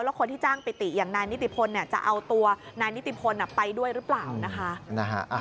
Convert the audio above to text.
แล้วคนที่จ้างปิติอย่างนายนิติพลจะเอาตัวนายนิติพลไปด้วยหรือเปล่านะคะ